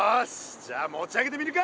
じゃあ持ち上げてみるか。